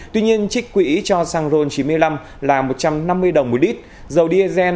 tuy nhiên trích quỹ cho xăng ron chín mươi năm là một trăm năm mươi đồng một lít